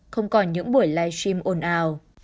không còn những buổi live stream ồn ào